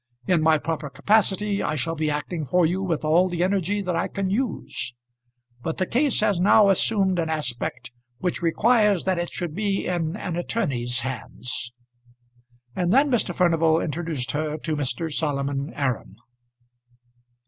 In my proper capacity I shall be acting for you with all the energy that I can use; but the case has now assumed an aspect which requires that it should be in an attorney's hands." And then Mr. Furnival introduced her to Mr. Solomon Aram.